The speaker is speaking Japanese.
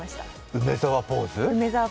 梅澤ポーズ？